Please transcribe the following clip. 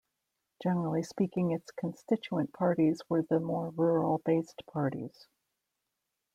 Generally speaking its constituent parties were the more rural based parties.